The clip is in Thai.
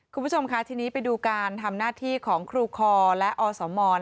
คุณผู้ชมค่ะทีนี้ไปดูการทำหน้าที่ของครูคอและอสม